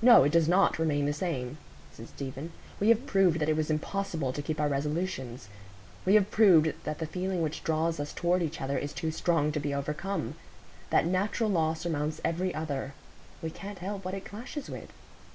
"No, it does not remain the same," said Stephen. "We have proved that it was impossible to keep our resolutions. We have proved that the feeling which draws us toward each other is too strong to be overcome. That natural law surmounts every other; we can't help what it clashes with."